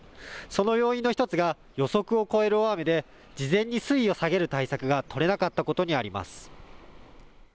その要因の１つが予測を超える大雨で事前に水位を下げる対策が取れなかったことにあります。